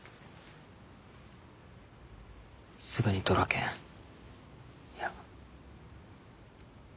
すぐにドラケンいや。